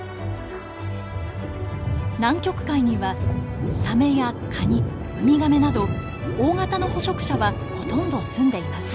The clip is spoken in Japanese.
南極海にはサメやカニウミガメなど大型の捕食者はほとんど住んでいません。